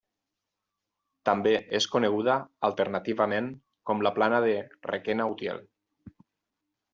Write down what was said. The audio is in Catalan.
També és coneguda alternativament com la Plana de Requena-Utiel.